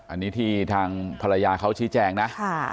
อันนี้ที่ทางภรรยาเขาชี้แจงนะ